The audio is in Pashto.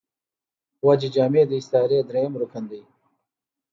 وجه جامع داستعارې درېیم رکن دﺉ.